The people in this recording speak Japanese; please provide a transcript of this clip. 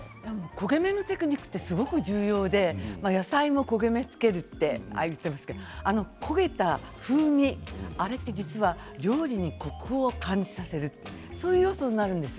焦げ目がテクニックがすごく重要で野菜の焦げ目をつけると言っていましたが焦げた風味、あれって実は料理にコクを感じさせるそういう要素になるんです。